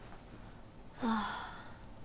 ああ。